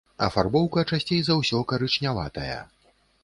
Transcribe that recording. Афарбоўка часцей за ўсё карычняватая.